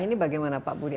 ini bagaimana pak budi